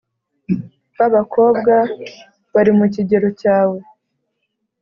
babakobwa barimukigero cyawe